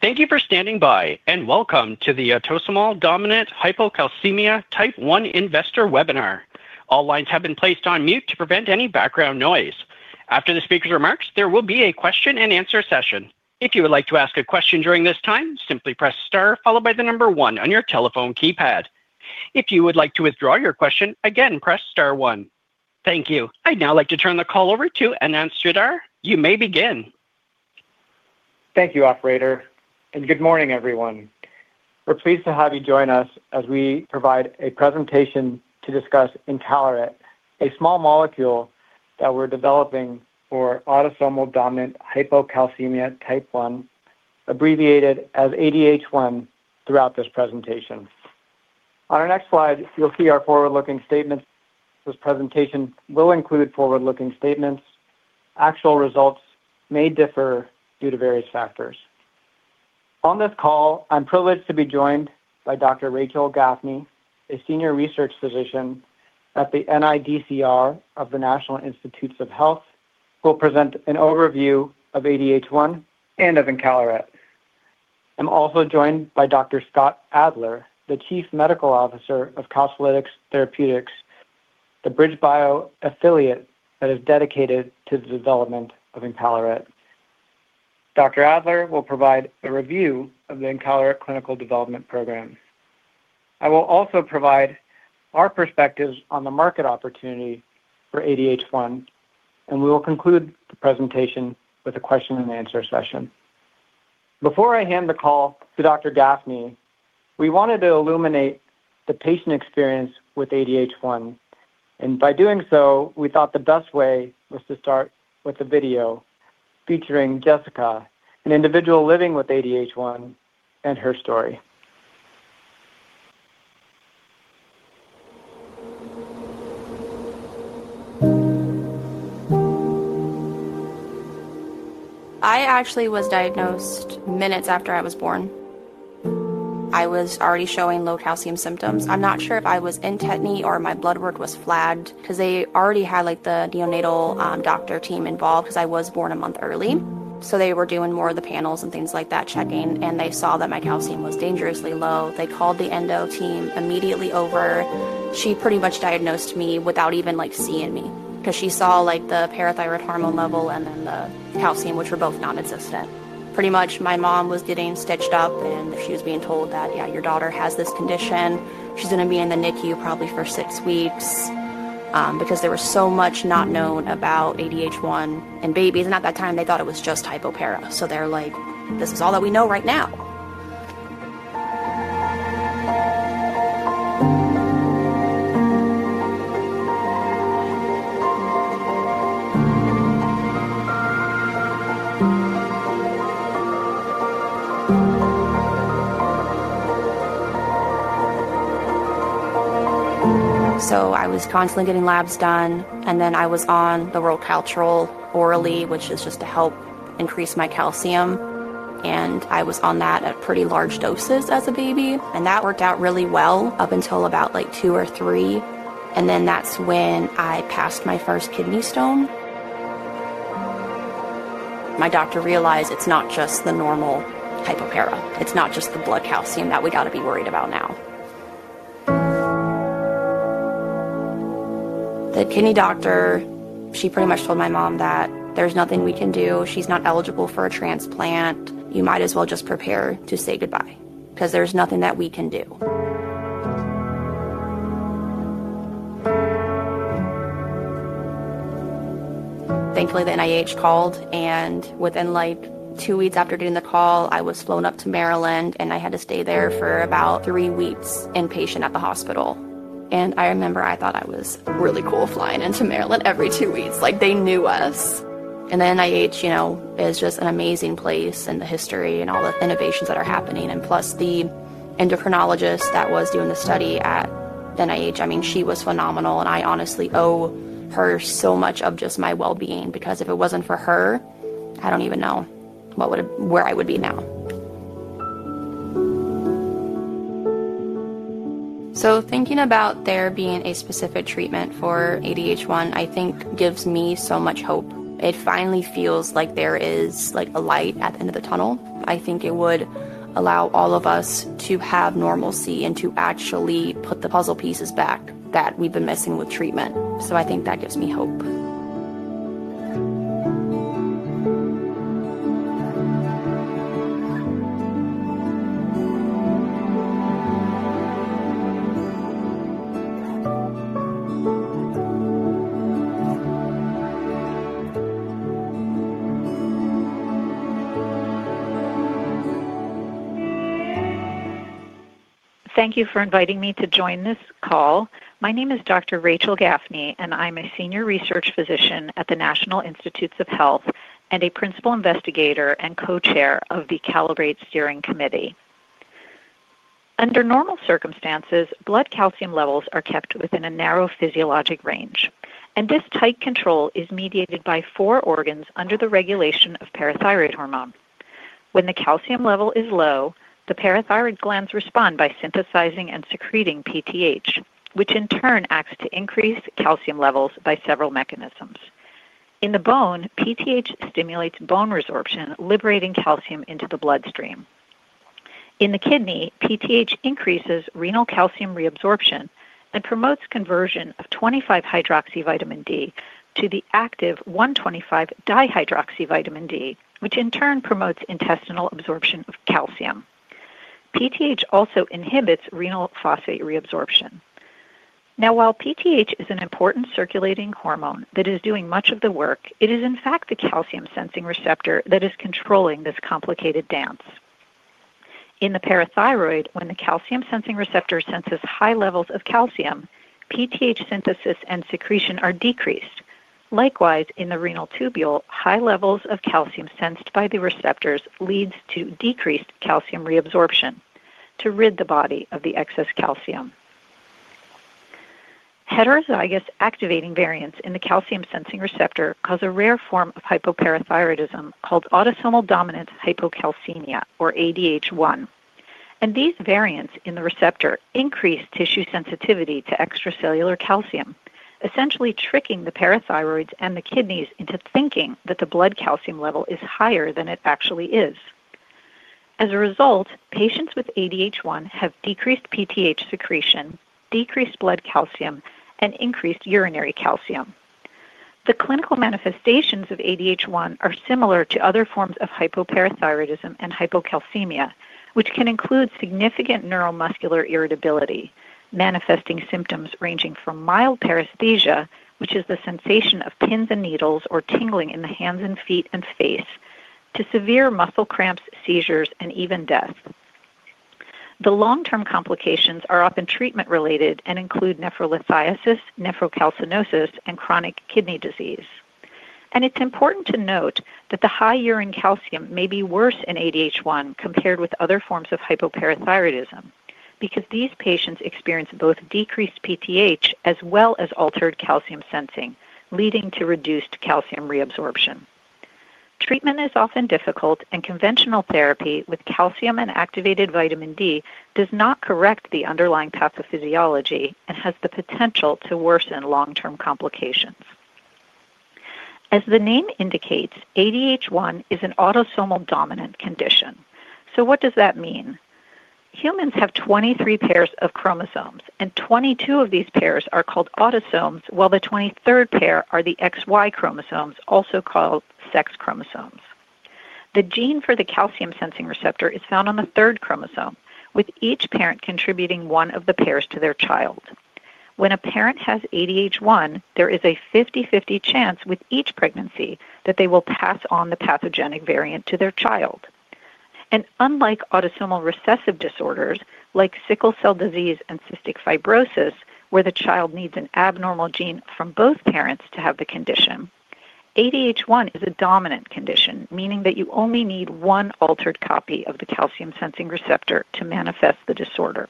Thank you for standing by and welcome to the Autosomal Dominant Hypocalcemia Type 1 Investor Webinar. All lines have been placed on mute to prevent any background noise. After the speaker's remarks, there will be a question and answer session. If you would like to ask a question during this time, simply press star followed by the number 1 on your telephone keypad. If you would like to withdraw your question, again press star 1. Thank you. I'd now like to turn the call over to Ananth Sridhar. You may begin. Thank you, operator, and good morning, everyone. We're pleased to have you join us as we provide a presentation to discuss Incalerit, a small molecule that we're developing for Autosomal Dominant Hypocalcemia Type 1, abbreviated as ADH1, throughout this presentation. On our next slide, you'll see our forward-looking statements. This presentation will include forward-looking statements. Actual results may differ due to various factors. On this call, I'm privileged to be joined by Dr. Rachel Gaffney, a Senior Research Physician at the NIDCR of the National Institutes of Health, who will present an overview of ADH1 and of Incalerit. I'm also joined by Dr. Scott Adler, the Chief Medical Officer of Cosphletics Therapeutics, the BridgeBio affiliate that is dedicated to the development of Incalerit. Dr. Adler will provide a review of the Incalerit clinical development program. I will also provide our perspectives on the market opportunity for ADH1, and we will conclude the presentation with a question and answer session. Before I hand the call to Dr. Gaffney, we wanted to illuminate the patient experience with ADH1, and by doing so, we thought the best way was to start with a video featuring Jessica, an individual living with ADH1, and her story. I actually was diagnosed minutes after I was born. I was already showing low calcium symptoms. I'm not sure if I was intentionally or my blood work was flagged because they already had the neonatal doctor team involved because I was born a month early. They were doing more of the panels and things like that, checking, and they saw that my calcium was dangerously low. They called the endo team immediately over. She pretty much diagnosed me without even seeing me because she saw the parathyroid hormone level and then the calcium, which were both nonexistent. Pretty much my mom was getting stitched up and she was being told that, yeah, your daughter has this condition. She's going to be in the NICU probably for six weeks because there was so much not known about ADH1 in babies, and at that time they thought it was just hypoparathyroidism. This is all that we know right now. I was constantly getting labs done, and then I was on the Roccotril orally, which is just to help increase my calcium, and I was on that at pretty large doses as a baby, and that worked out really well up until about two or three. That's when I passed my first kidney stone. My doctor realized it's not just the normal hypoparathyroidism. It's not just the blood calcium that we got to be worried about now. The kidney doctor, she pretty much told my mom that there's nothing we can do. She's not eligible for a transplant. You might as well just prepare to say goodbye because there's nothing that we can do. Thankfully, the NIH called, and within two weeks after getting the call, I was flown up to Maryland, and I had to stay there for about three weeks inpatient at the hospital. I remember I thought I was really cool flying into Maryland every two weeks. They knew us. The NIH is just an amazing place and the history and all the innovations that are happening. Plus the endocrinologist that was doing the study at NIH, she was phenomenal, and I honestly owe her so much of just my well-being because if it wasn't for her, I don't even know where I would be now. Thinking about there being a specific treatment for ADH1, I think gives me so much hope. It finally feels like there is a light at the end of the tunnel. I think it would allow all of us to have normalcy and to actually put the puzzle pieces back that we've been missing with treatment. I think that gives me hope. Thank you for inviting me to join this call. My name is Dr. Rachel Gaffney, and I'm a Senior Research Physician at the National Institutes of Health and a Principal Investigator and co-chair of the Calibrate Steering Committee. Under normal circumstances, blood calcium levels are kept within a narrow physiologic range, and this tight control is mediated by four organs under the regulation of parathyroid hormone. When the calcium level is low, the parathyroid glands respond by synthesizing and secreting PTH, which in turn acts to increase calcium levels by several mechanisms. In the bone, PTH stimulates bone resorption, liberating calcium into the bloodstream. In the kidney, PTH increases renal calcium reabsorption and promotes conversion of 25-hydroxyvitamin D to the active 1,25-dihydroxyvitamin D, which in turn promotes intestinal absorption of calcium. PTH also inhibits renal phosphate reabsorption. Now, while PTH is an important circulating hormone that is doing much of the work, it is in fact the calcium-sensing receptor that is controlling this complicated dance. In the parathyroid, when the calcium-sensing receptor senses high levels of calcium, PTH synthesis and secretion are decreased. Likewise, in the renal tubule, high levels of calcium sensed by the receptors lead to decreased calcium reabsorption to rid the body of the excess calcium. Heterozygous activating variants in the calcium-sensing receptor cause a rare form of hypoparathyroidism called autosomal dominant hypocalcemia or ADH1. These variants in the receptor increase tissue sensitivity to extracellular calcium, essentially tricking the parathyroids and the kidneys into thinking that the blood calcium level is higher than it actually is. As a result, patients with ADH1 have decreased PTH secretion, decreased blood calcium, and increased urinary calcium. The clinical manifestations of ADH1 are similar to other forms of hypoparathyroidism and hypocalcemia, which can include significant neuromuscular irritability, manifesting symptoms ranging from mild paresthesia, which is the sensation of pins and needles or tingling in the hands and feet and face, to severe muscle cramps, seizures, and even death. The long-term complications are often treatment-related and include nephrolithiasis, nephrocalcinosis, and chronic kidney disease. It is important to note that the high urine calcium may be worse in ADH1 compared with other forms of hypoparathyroidism because these patients experience both decreased PTH as well as altered calcium sensing, leading to reduced calcium reabsorption. Treatment is often difficult, and conventional therapy with calcium and activated vitamin D does not correct the underlying pathophysiology and has the potential to worsen long-term complications. As the name indicates, ADH1 is an autosomal dominant condition. What does that mean? Humans have 23 pairs of chromosomes, and 22 of these pairs are called autosomes, while the 23rd pair are the XY chromosomes, also called sex chromosomes. The gene for the calcium-sensing receptor is found on the third chromosome, with each parent contributing one of the pairs to their child. When a parent has ADH1, there is a 50% chance with each pregnancy that they will pass on the pathogenic variant to their child. Unlike autosomal recessive disorders like sickle cell disease and cystic fibrosis, where the child needs an abnormal gene from both parents to have the condition, ADH1 is a dominant condition, meaning that you only need one altered copy of the calcium-sensing receptor to manifest the disorder.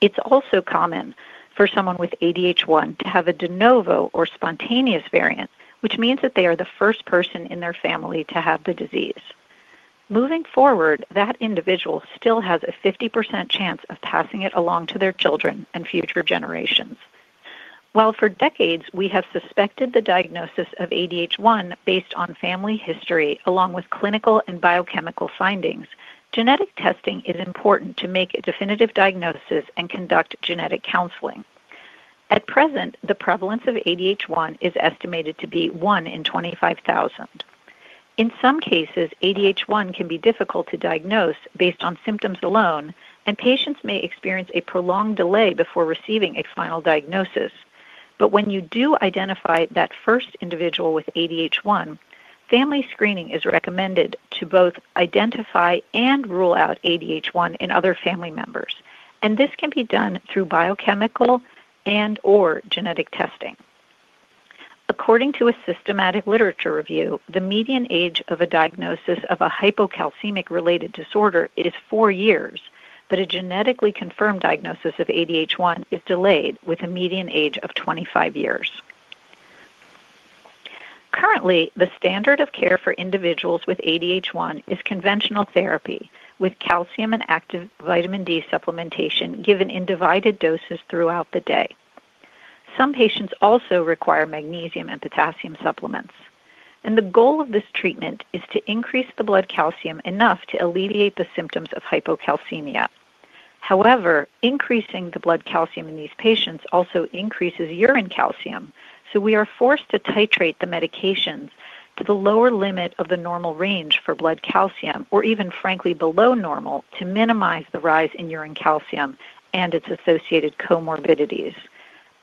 It is also common for someone with ADH1 to have a de novo or spontaneous variant, which means that they are the first person in their family to have the disease. Moving forward, that individual still has a 50% chance of passing it along to their children and future generations. For decades we have suspected the diagnosis of ADH1 based on family history, along with clinical and biochemical findings, genetic testing is important to make a definitive diagnosis and conduct genetic counseling. At present, the prevalence of ADH1 is estimated to be 1 in 25,000. In some cases, ADH1 can be difficult to diagnose based on symptoms alone, and patients may experience a prolonged delay before receiving a final diagnosis. When you do identify that first individual with ADH1, family screening is recommended to both identify and rule out ADH1 in other family members. This can be done through biochemical and/or genetic testing. According to a systematic literature review, the median age of a diagnosis of a hypocalcemic-related disorder is four years, but a genetically confirmed diagnosis of ADH1 is delayed with a median age of 25 years. Currently, the standard of care for individuals with ADH1 is conventional therapy with calcium and active vitamin D supplementation given in divided doses throughout the day. Some patients also require magnesium and potassium supplements. The goal of this treatment is to increase the blood calcium enough to alleviate the symptoms of hypocalcemia. However, increasing the blood calcium in these patients also increases urine calcium, so we are forced to titrate the medications to the lower limit of the normal range for blood calcium, or even frankly below normal, to minimize the rise in urine calcium and its associated comorbidities.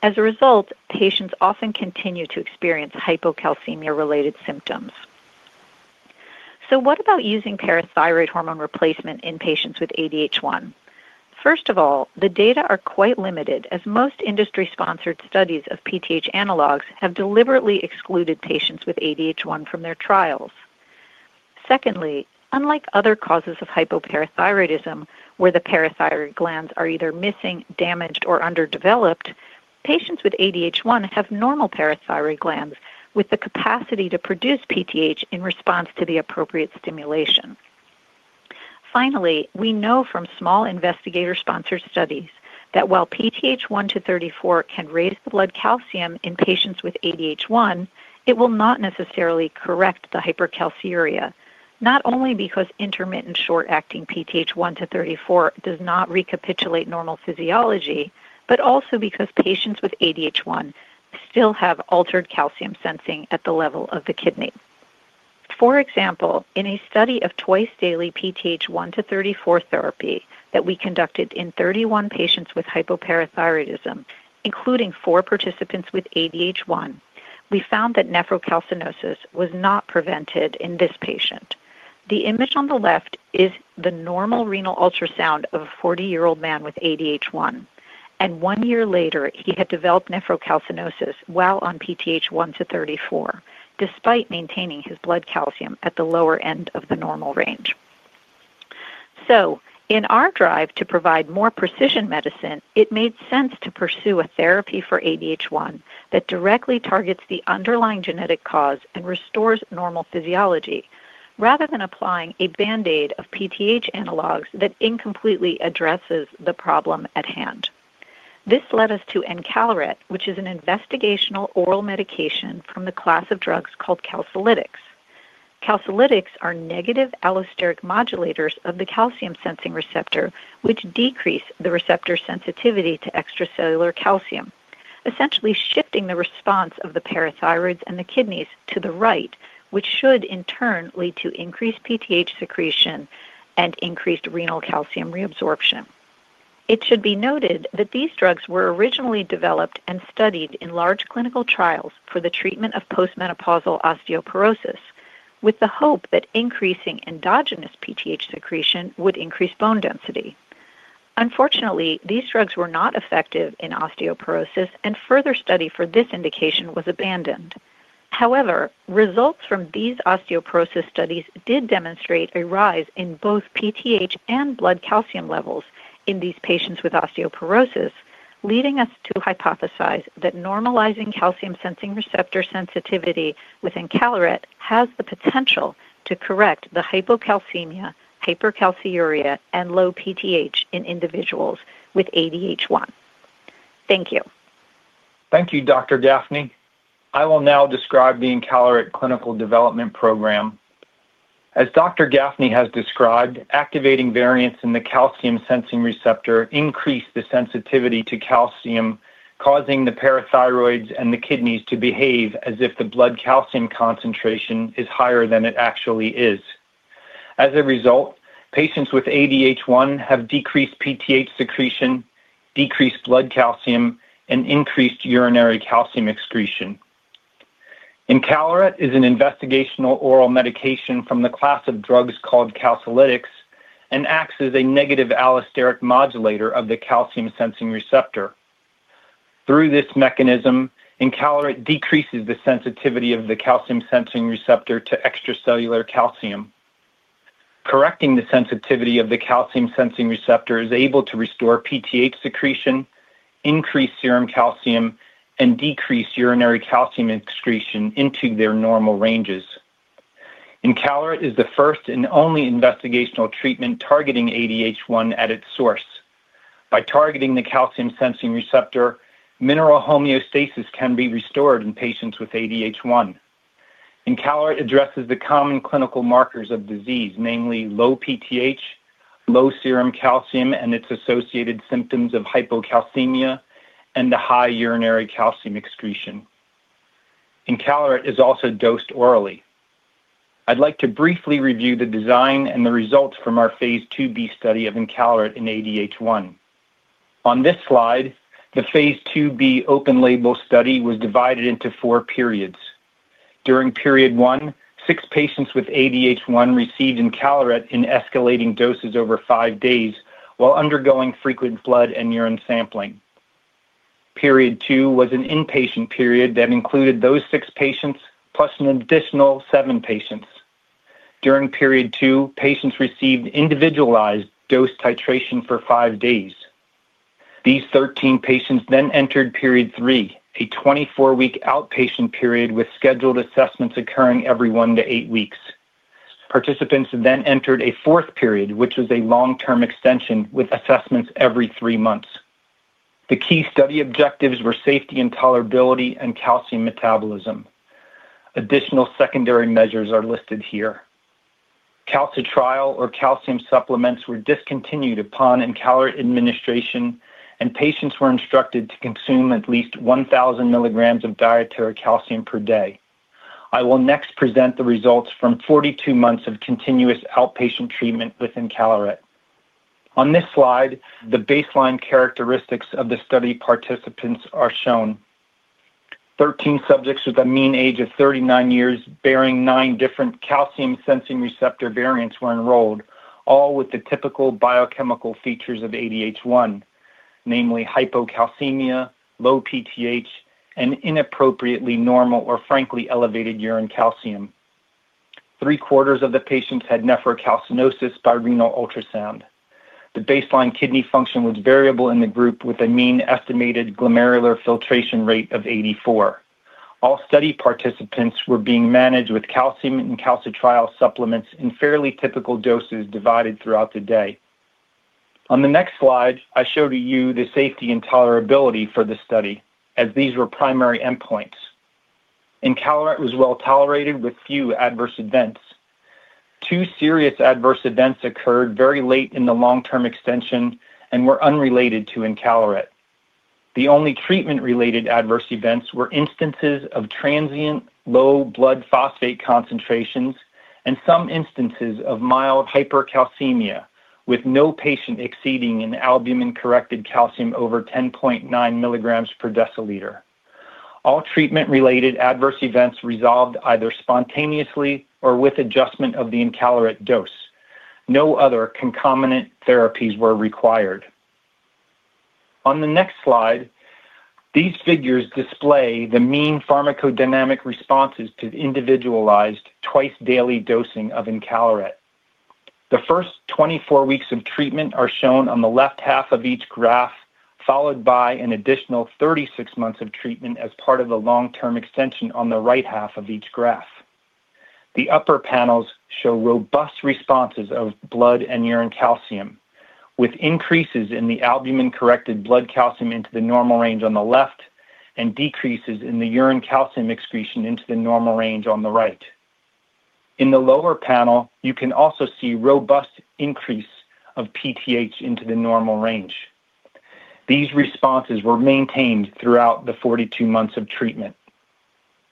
As a result, patients often continue to experience hypocalcemia-related symptoms. What about using parathyroid hormone replacement in patients with ADH1? First of all, the data are quite limited, as most industry-sponsored studies of PTH analogs have deliberately excluded patients with ADH1 from their trials. Secondly, unlike other causes of hypoparathyroidism, where the parathyroid glands are either missing, damaged, or underdeveloped, patients with ADH1 have normal parathyroid glands with the capacity to produce PTH in response to the appropriate stimulation. Finally, we know from small investigator-sponsored studies that while PTH 1 to 34 can raise the blood calcium in patients with ADH1, it will not necessarily correct the hypercalciuria, not only because intermittent short-acting PTH 1 to 34 does not recapitulate normal physiology, but also because patients with ADH1 still have altered calcium sensing at the level of the kidney. For example, in a study of twice-daily PTH 1 to 34 therapy that we conducted in 31 patients with hypoparathyroidism, including four participants with ADH1, we found that nephrocalcinosis was not prevented in this patient. The image on the left is the normal renal ultrasound of a 40-year-old man with ADH1. One year later, he had developed nephrocalcinosis while on PTH 1 to 34, despite maintaining his blood calcium at the lower end of the normal range. In our drive to provide more precision medicine, it made sense to pursue a therapy for ADH1 that directly targets the underlying genetic cause and restores normal physiology, rather than applying a band-aid of PTH analogs that incompletely addresses the problem at hand. This led us to Incalerit, which is an investigational oral medication from the class of drugs called calpholytics. Calpholytics are negative allosteric modulators of the calcium-sensing receptor, which decrease the receptor sensitivity to extracellular calcium, essentially shifting the response of the parathyroids and the kidneys to the right, which should in turn lead to increased PTH secretion and increased renal calcium reabsorption. It should be noted that these drugs were originally developed and studied in large clinical trials for the treatment of postmenopausal osteoporosis, with the hope that increasing endogenous PTH secretion would increase bone density. Unfortunately, these drugs were not effective in osteoporosis, and further study for this indication was abandoned. However, results from these osteoporosis studies did demonstrate a rise in both PTH and blood calcium levels in these patients with osteoporosis, leading us to hypothesize that normalizing calcium-sensing receptor sensitivity with Incalerit has the potential to correct the hypocalcemia, hypercalciuria, and low PTH in individuals with ADH1. Thank you. Thank you, Dr. Gaffney. I will now describe the Incalerit clinical development program. As Dr. Gaffney has described, activating variants in the calcium-sensing receptor increase the sensitivity to calcium, causing the parathyroids and the kidneys to behave as if the blood calcium concentration is higher than it actually is. As a result, patients with ADH1 have decreased PTH secretion, decreased blood calcium, and increased urinary calcium excretion. Incalerit is an investigational oral medication from the class of drugs called calpholytics and acts as a negative allosteric modulator of the calcium-sensing receptor. Through this mechanism, Incalerit decreases the sensitivity of the calcium-sensing receptor to extracellular calcium. Correcting the sensitivity of the calcium-sensing receptor is able to restore PTH secretion, increase serum calcium, and decrease urinary calcium excretion into their normal ranges. Incalerit is the first and only investigational treatment targeting ADH1 at its source. By targeting the calcium-sensing receptor, mineral homeostasis can be restored in patients with ADH1. Incalerit addresses the common clinical markers of disease, namely low PTH, low serum calcium, and its associated symptoms of hypocalcemia, and the high urinary calcium excretion. Incalerit is also dosed orally. I'd like to briefly review the design and the results from our Phase IIb study of Incalerit in ADH1. On this slide, the Phase IIb open-label study was divided into four periods. During period one, six patients with ADH1 received Incalerit in escalating doses over five days while undergoing frequent blood and urine sampling. Period two was an inpatient period that included those six patients plus an additional seven patients. During period two, patients received individualized dose titration for five days. These 13 patients then entered period three, a 24-week outpatient period with scheduled assessments occurring every one to eight weeks. Participants then entered a fourth period, which was a long-term extension with assessments every three months. The key study objectives were safety and tolerability and calcium metabolism. Additional secondary measures are listed here. Calcitriol, or calcium supplements, were discontinued upon Incalerit administration, and patients were instructed to consume at least 1,000 milligrams of dietary calcium per day. I will next present the results from 42 months of continuous outpatient treatment with Incalerit. On this slide, the baseline characteristics of the study participants are shown. Thirteen subjects with a mean age of 39 years bearing nine different calcium-sensing receptor variants were enrolled, all with the typical biochemical features of ADH1, namely hypocalcemia, low PTH, and inappropriately normal or frankly elevated urine calcium. Three quarters of the patients had nephrocalcinosis by renal ultrasound. The baseline kidney function was variable in the group, with a mean estimated glomerular filtration rate of 84. All study participants were being managed with calcium and calcitriol supplements in fairly typical doses divided throughout the day. On the next slide, I show to you the safety and tolerability for the study, as these were primary endpoints. Incalerit was well tolerated with few adverse events. Two serious adverse events occurred very late in the long-term extension and were unrelated to Incalerit. The only treatment-related adverse events were instances of transient low blood phosphate concentrations and some instances of mild hypercalcemia with no patient exceeding an albumin-corrected calcium over 10.9 milligrams per deciliter. All treatment-related adverse events resolved either spontaneously or with adjustment of the Incalerit dose. No other concomitant therapies were required. On the next slide, these figures display the mean pharmacodynamic responses to individualized twice-daily dosing of Incalerit. The first 24 weeks of treatment are shown on the left half of each graph, followed by an additional 36 months of treatment as part of the long-term extension on the right half of each graph. The upper panels show robust responses of blood and urine calcium, with increases in the albumin-corrected blood calcium into the normal range on the left and decreases in the urine calcium excretion into the normal range on the right. In the lower panel, you can also see robust increase of PTH into the normal range. These responses were maintained throughout the 42 months of treatment.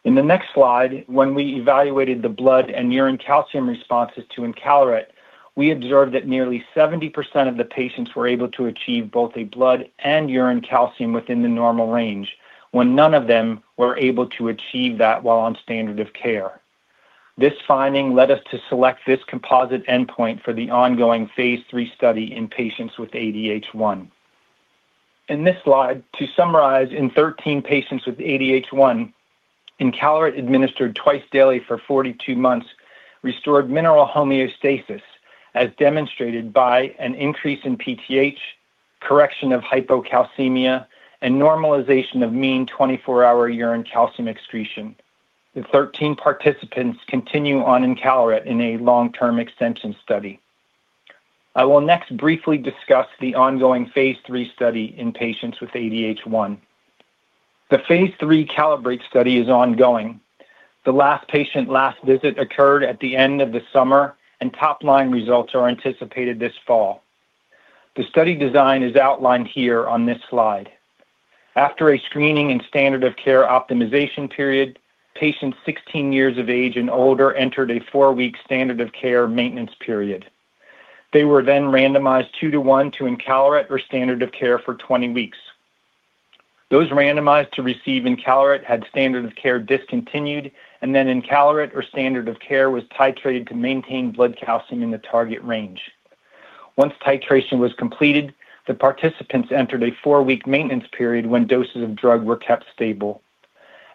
In the next slide, when we evaluated the blood and urine calcium responses to Incalerit, we observed that nearly 70% of the patients were able to achieve both a blood and urine calcium within the normal range, when none of them were able to achieve that while on standard of care. This finding led us to select this composite endpoint for the ongoing Phase III study in patients with ADH1. In this slide, to summarize, in 13 patients with ADH1, Incalerit administered twice daily for 42 months restored mineral homeostasis, as demonstrated by an increase in PTH, correction of hypocalcemia, and normalization of mean 24-hour urine calcium excretion. The 13 participants continue on Incalerit in a long-term extension study. I will next briefly discuss the ongoing Phase III study in patients with ADH1. The Phase III Calibrate study is ongoing. The last patient last visit occurred at the end of the summer, and top-line results are anticipated this fall. The study design is outlined here on this slide. After a screening and standard of care optimization period, patients 16 years of age and older entered a four-week standard of care maintenance period. They were then randomized two to one to Incalerit or standard of care for 20 weeks. Those randomized to receive Incalerit had standard of care discontinued, and then Incalerit or standard of care was titrated to maintain blood calcium in the target range. Once titration was completed, the participants entered a four-week maintenance period when doses of drug were kept stable.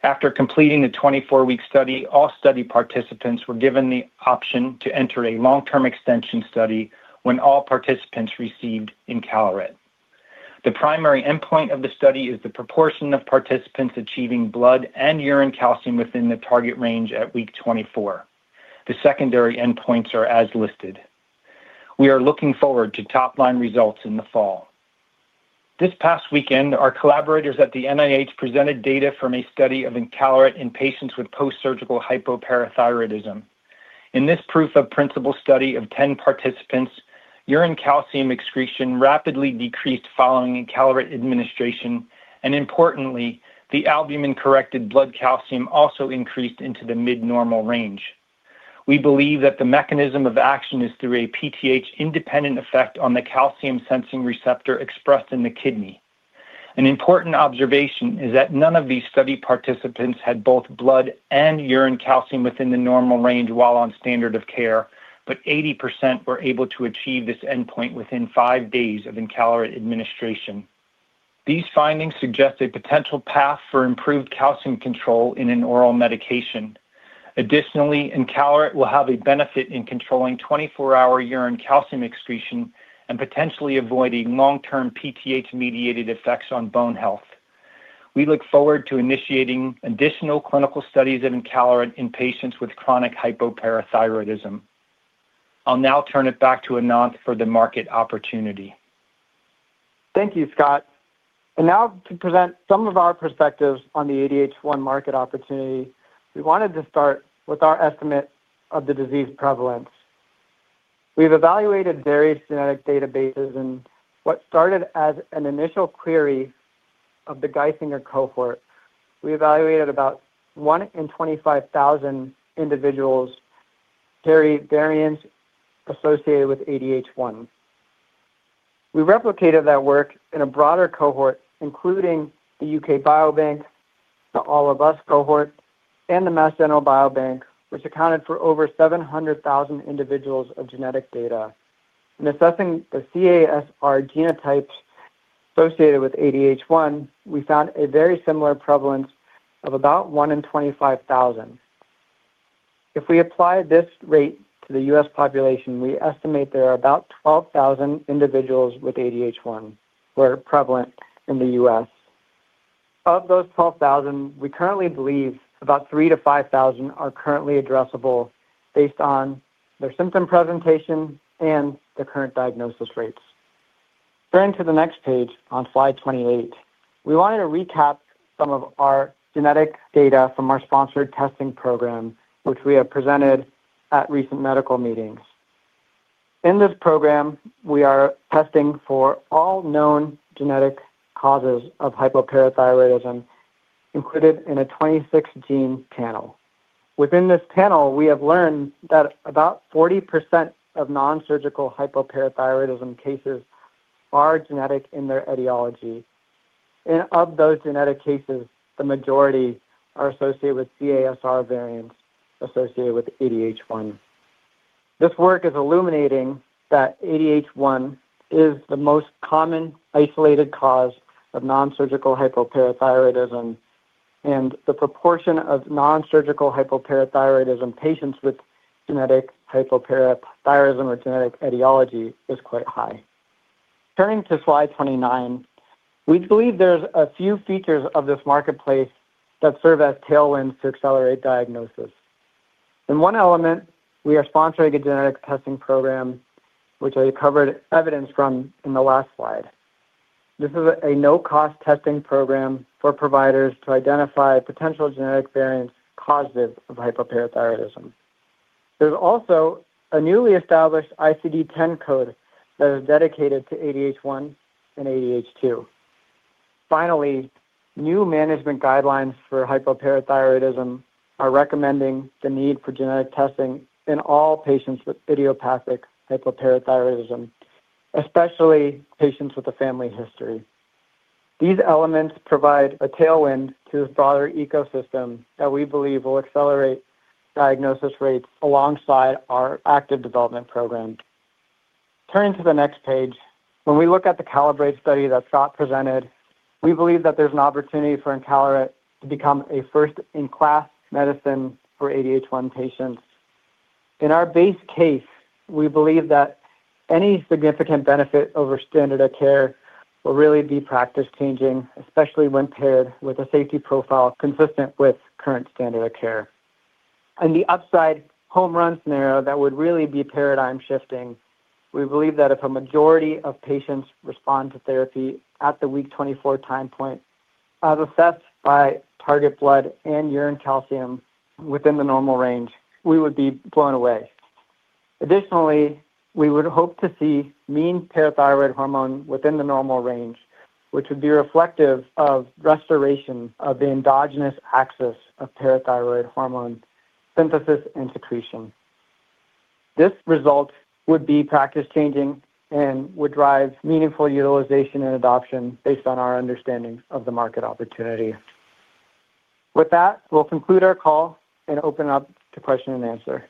After completing the 24-week study, all study participants were given the option to enter a long-term extension study when all participants received Incalerit. The primary endpoint of the study is the proportion of participants achieving blood and urine calcium within the target range at week 24. The secondary endpoints are as listed. We are looking forward to top-line results in the fall. This past weekend, our collaborators at the NIH presented data from a study of Incalerit in patients with postsurgical hypoparathyroidism. In this proof of principle study of 10 participants, urine calcium excretion rapidly decreased following Incalerit administration, and importantly, the albumin-corrected blood calcium also increased into the mid-normal range. We believe that the mechanism of action is through a PTH-independent effect on the calcium-sensing receptor expressed in the kidney. An important observation is that none of these study participants had both blood and urine calcium within the normal range while on standard of care, but 80% were able to achieve this endpoint within five days of Incalerit administration. These findings suggest a potential path for improved calcium control in an oral medication. Additionally, Incalerit will have a benefit in controlling 24-hour urine calcium excretion and potentially avoiding long-term PTH-mediated effects on bone health. We look forward to initiating additional clinical studies of Incalerit in patients with chronic hypoparathyroidism. I'll now turn it back to Ananth for the market opportunity. Thank you, Scott. Now to present some of our perspectives on the ADH1 market opportunity, we wanted to start with our estimate of the disease prevalence. We've evaluated various genetic databases, and what started as an initial query of the Geisinger cohort, we evaluated about 1 in 25,000 individuals carry variants associated with ADH1. We replicated that work in a broader cohort, including the UK Biobank, the All of Us cohort, and the Mass General Biobank, which accounted for over 700,000 individuals of genetic data. In assessing the CASR genotypes associated with ADH1, we found a very similar prevalence of about 1 in 25,000. If we apply this rate to the U.S. population, we estimate there are about 12,000 individuals with ADH1 who are prevalent in the U.S. Of those 12,000, we currently believe about 3,000 to 5,000 are currently addressable based on their symptom presentation and their current diagnosis rates. Turning to the next page on slide 28, we wanted to recap some of our genetic data from our sponsored testing program, which we have presented at recent medical meetings. In this program, we are testing for all known genetic causes of hypoparathyroidism, included in a 26-gene panel. Within this panel, we have learned that about 40% of non-surgical hypoparathyroidism cases are genetic in their etiology. Of those genetic cases, the majority are associated with CASR variants associated with ADH1. This work is illuminating that ADH1 is the most common isolated cause of non-surgical hypoparathyroidism, and the proportion of non-surgical hypoparathyroidism patients with genetic hypoparathyroidism or genetic etiology is quite high. Turning to slide 29, we believe there's a few features of this marketplace that serve as tailwinds to accelerate diagnosis. In one element, we are sponsoring a genetic testing program, which I covered evidence from in the last slide. This is a no-cost testing program for providers to identify potential genetic variants causative of hypoparathyroidism. There's also a newly established ICD-10 code that is dedicated to ADH1 and ADH2. Finally, new management guidelines for hypoparathyroidism are recommending the need for genetic testing in all patients with idiopathic hypoparathyroidism, especially patients with a family history. These elements provide a tailwind to the broader ecosystem that we believe will accelerate diagnosis rates alongside our active development program. Turning to the next page, when we look at the Calibrate study that Scott presented, we believe that there's an opportunity for Incalerit to become a first-in-class medicine for ADH1 patients. In our base case, we believe that any significant benefit over standard of care will really be practice-changing, especially when paired with a safety profile consistent with current standard of care. The upside home runs narrow that would really be paradigm shifting. We believe that if a majority of patients respond to therapy at the week 24 time point, as assessed by target blood and urine calcium within the normal range, we would be blown away. Additionally, we would hope to see mean parathyroid hormone within the normal range, which would be reflective of restoration of the endogenous axis of parathyroid hormone synthesis and secretion. This result would be practice-changing and would drive meaningful utilization and adoption based on our understanding of the market opportunity. With that, we'll conclude our call and open up to question and answer.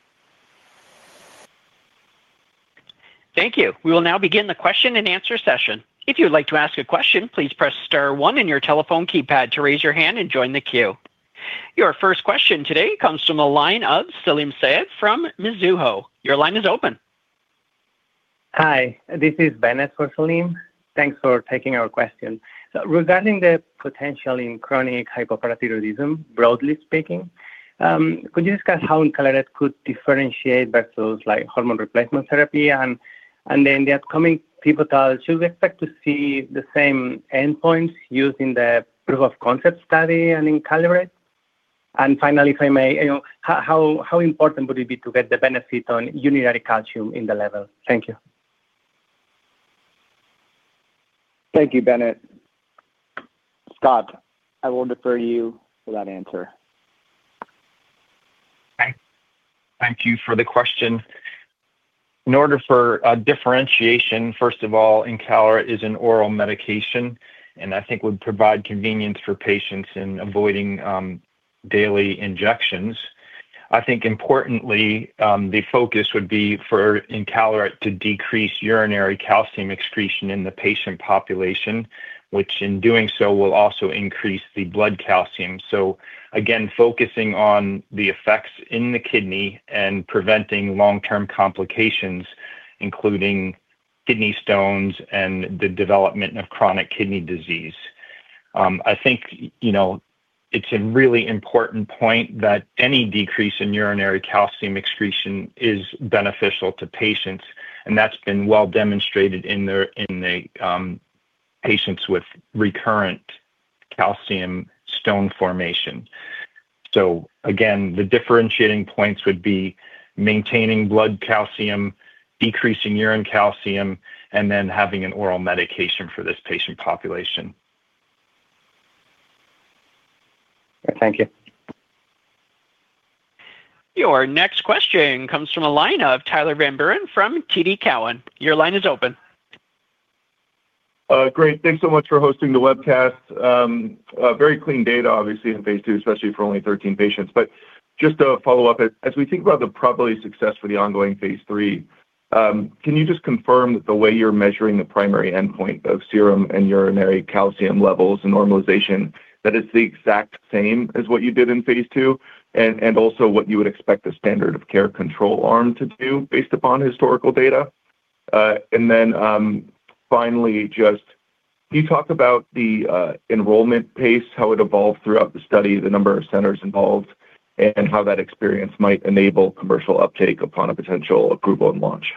Thank you. We will now begin the question and answer session. If you'd like to ask a question, please press star 1 on your telephone keypad to raise your hand and join the queue. Your first question today comes from the line of Selim Said from Mizuho. Your line is open. Hi, this is Bennett for Selim. Thanks for taking our question. Regarding the potential in chronic hypoparathyroidism, broadly speaking, could you discuss how Incalerit could differentiate versus hormone replacement therapy? Could we expect to see the same endpoints used in the proof of concept study and Incalerit in the upcoming pivotal? If I may, how important would it be to get the benefit on urinary calcium in the level? Thank you. Thank you, Bennett. Scott, I will defer to you for that answer. Thank you for the question. In order for differentiation, first of all, Incalerit is an oral medication, and I think would provide convenience for patients in avoiding daily injections. I think, importantly, the focus would be for Incalerit to decrease urinary calcium excretion in the patient population, which in doing so will also increase the blood calcium. Again, focusing on the effects in the kidney and preventing long-term complications, including kidney stones and the development of chronic kidney disease. I think it's a really important point that any decrease in urinary calcium excretion is beneficial to patients, and that's been well demonstrated in the patients with recurrent calcium stone formation. The differentiating points would be maintaining blood calcium, decreasing urine calcium, and then having an oral medication for this patient population. Thank you. Our next question comes from a line of Tyler Van Buren from TD Cowen. Your line is open. Great. Thanks so much for hosting the webcast. Very clean data, obviously, in Phase II, especially for only 13 patients. Just to follow up, as we think about the probability of success for the ongoing Phase III, can you just confirm that the way you're measuring the primary endpoint of serum and urinary calcium levels and normalization, that it's the exact same as what you did in Phase II, and also what you would expect the standard of care control arm to do based upon historical data? Finally, can you talk about the enrollment pace, how it evolved throughout the study, the number of centers involved, and how that experience might enable commercial uptake upon a potential approval and launch?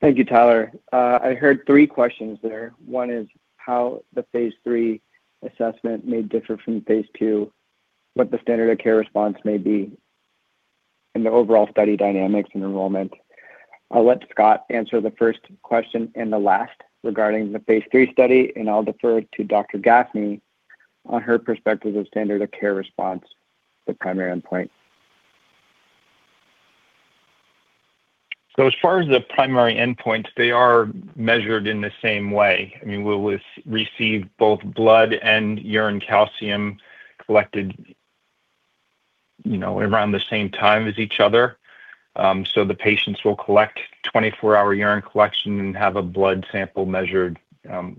Thank you, Tyler. I heard three questions there. One is how the Phase III assessment may differ from Phase II, what the standard of care response may be, and the overall study dynamics and enrollment. I'll let Scott answer the first question and the last regarding the Phase III study, and I'll defer to Dr. Gaffney on her perspective of standard of care response, the primary endpoint. As far as the primary endpoints, they are measured in the same way. We'll receive both blood and urine calcium collected around the same time as each other. The patients will collect 24-hour urine collection and have a blood sample measured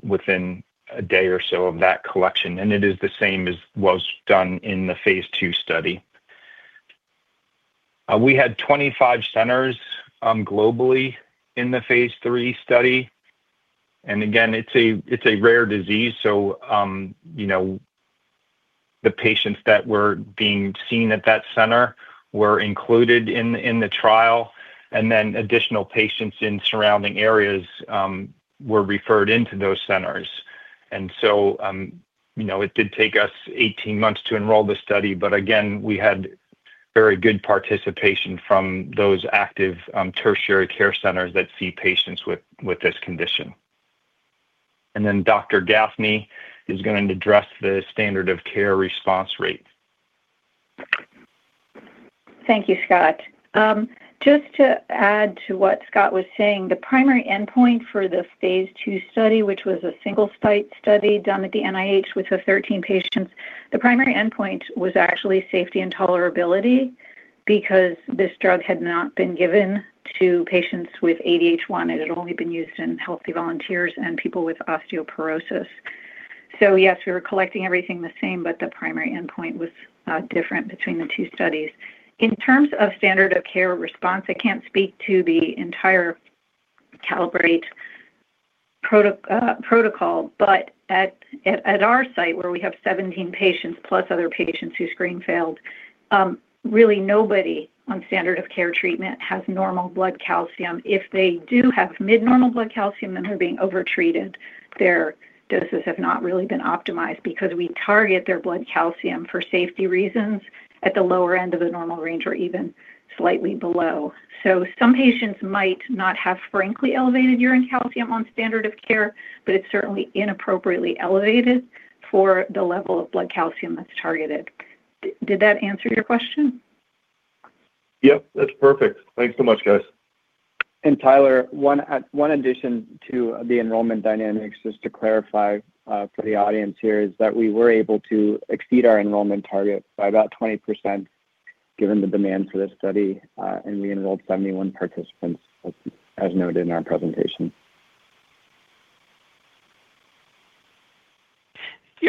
within a day or so of that collection. It is the same as was done in the Phase II study. We had 25 centers globally in the Phase III study. It's a rare disease. The patients that were being seen at that center were included in the trial, and additional patients in surrounding areas were referred into those centers. It did take us 18 months to enroll the study, but we had very good participation from those active tertiary care centers that see patients with this condition. Dr. Gaffney is going to address the standard of care response rate. Thank you, Scott. Just to add to what Scott was saying, the primary endpoint for the Phase II study, which was a single-site study done at the NIH with the 13 patients, the primary endpoint was actually safety and tolerability because this drug had not been given to patients with ADH1. It had only been used in healthy volunteers and people with osteoporosis. Yes, we were collecting everything the same, but the primary endpoint was different between the two studies. In terms of standard of care response, I can't speak to the entire Calibrate protocol, but at our site, where we have 17 patients plus other patients who screen failed, really nobody on standard of care treatment has normal blood calcium. If they do have mid-normal blood calcium, then they're being overtreated. Their doses have not really been optimized because we target their blood calcium for safety reasons at the lower end of the normal range or even slightly below. Some patients might not have frankly elevated urine calcium on standard of care, but it's certainly inappropriately elevated for the level of blood calcium that's targeted. Did that answer your question? Yep, that's perfect. Thanks so much, guys. One addition to the enrollment dynamics just to clarify for the audience here is that we were able to exceed our enrollment target by about 20% given the demand for this study, and we enrolled 71 participants, as noted in our presentation.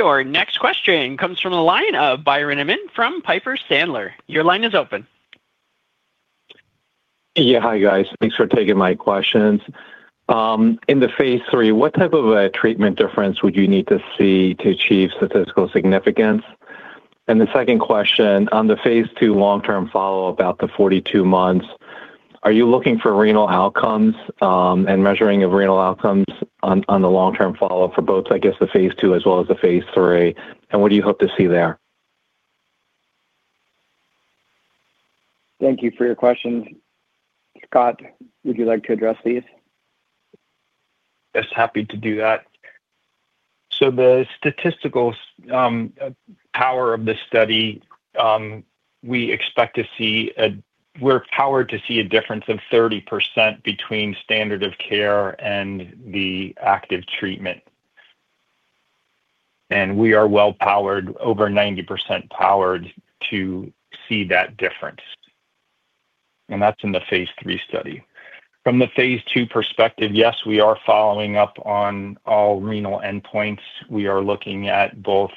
Our next question comes from a line of Byron Emmett from Piper Sandler. Your line is open. Yeah, hi, guys. Thanks for taking my questions. In the Phase III, what type of a treatment difference would you need to see to achieve statistical significance? The second question, on the Phase II long-term follow-up, about the 42 months, are you looking for renal outcomes and measuring of renal outcomes on the long-term follow-up for both, I guess, the Phase II as well as the Phase III? What do you hope to see there? Thank you for your questions. Scott, would you like to address these? Yes, happy to do that. The statistical power of this study, we expect to see a, we're powered to see a difference of 30% between standard of care and the active treatment. We are well-powered, over 90% powered to see that difference. That's in the Phase III study. From the Phase II perspective, yes, we are following up on all renal endpoints. We are looking at both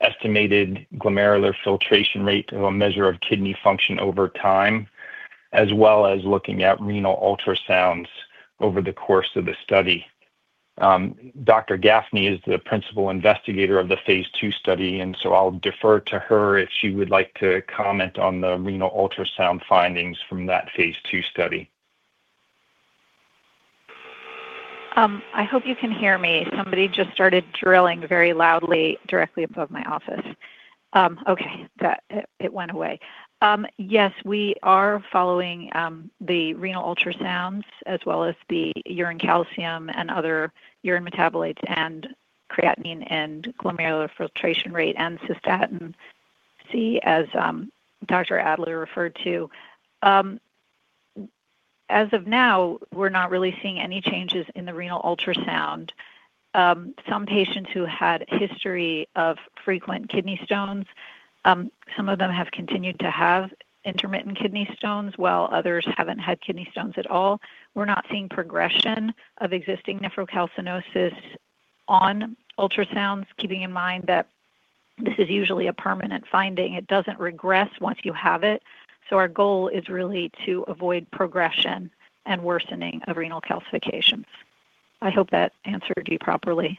estimated glomerular filtration rate as a measure of kidney function over time, as well as looking at renal ultrasounds over the course of the study. Dr. Gaffney is the Principal Investigator of the Phase II study, and I'll defer to her if she would like to comment on the renal ultrasound findings from that Phase II study. I hope you can hear me. Somebody just started drilling very loudly directly above my office. Okay, it went away. Yes, we are following the renal ultrasounds as well as the urine calcium and other urine metabolites and creatinine and glomerular filtration rate and cystatin C, as Dr. Adler referred to. As of now, we're not really seeing any changes in the renal ultrasound. Some patients who had a history of frequent kidney stones, some of them have continued to have intermittent kidney stones, while others haven't had kidney stones at all. We're not seeing progression of existing nephrocalcinosis on ultrasounds, keeping in mind that this is usually a permanent finding. It doesn't regress once you have it. Our goal is really to avoid progression and worsening of renal calcifications. I hope that answered you properly.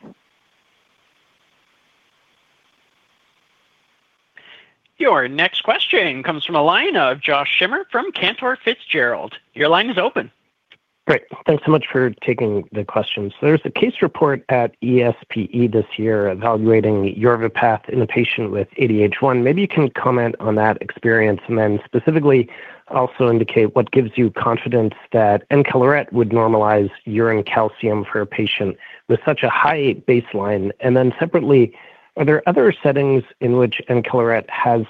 Our next question comes from a line of Josh Shimmer from Cantor Fitzgerald. Your line is open. Great. Thanks so much for taking the questions. There's a case report at ESPE this year evaluating Yorvapath in a patient with ADH1. Maybe you can comment on that experience, and then specifically also indicate what gives you confidence that Incalerit would normalize urine calcium for a patient with such a high baseline. Separately, are there other settings in which Incalerit has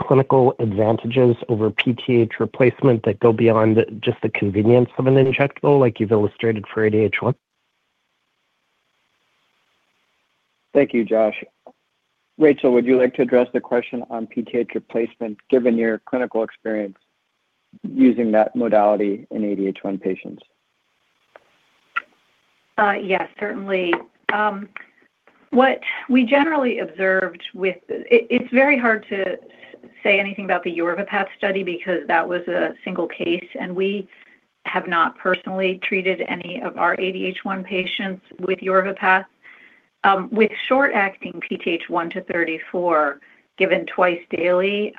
clinical advantages over PTH replacement that go beyond just the convenience of an injectable, like you've illustrated for ADH1? Thank you, Josh. Rachel, would you like to address the question on PTH replacement, given your clinical experience using that modality in ADH1 patients? Yes, certainly. What we generally observed with, it's very hard to say anything about the Yorvapath study because that was a single case, and we have not personally treated any of our ADH1 patients with Yorvapath. With short-acting PTH 1 to 34 given twice daily,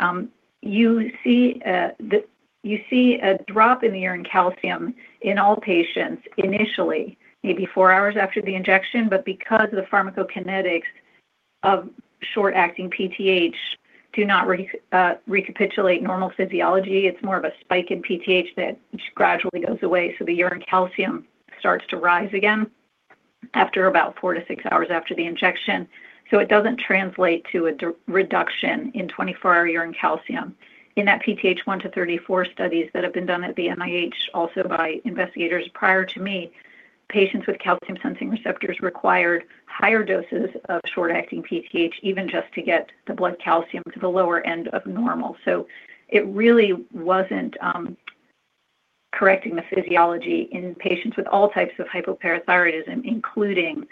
you see a drop in the urine calcium in all patients initially, maybe four hours after the injection, but because the pharmacokinetics of short-acting PTH do not recapitulate normal physiology, it's more of a spike in PTH that gradually goes away. The urine calcium starts to rise again after about four to six hours after the injection. It doesn't translate to a reduction in 24-hour urine calcium. In that PTH 1 to 34 studies that have been done at the NIH also by investigators prior to me, patients with calcium-sensing receptors required higher doses of short-acting PTH, even just to get the blood calcium to the lower end of normal. It really wasn't correcting the physiology in patients with all types of hypoparathyroidism, including